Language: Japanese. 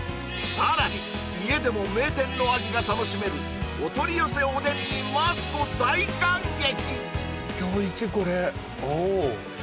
さらに家でも名店の味が楽しめるお取り寄せおでんにマツコ大感激！